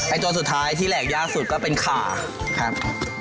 ตัวสุดท้ายที่แหลกยากสุดก็เป็นขาครับ